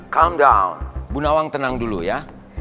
calm down bu nawang tenang dulu ya